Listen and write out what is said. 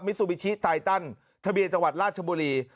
ซูบิชิไตตันทะเบียนจังหวัดราชบุรี